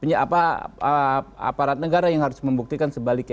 punya aparat negara yang harus membuktikan sebaliknya